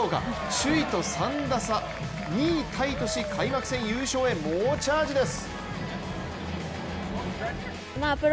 首位と３打差、２位タイとし開幕戦優勝へ猛チャージです！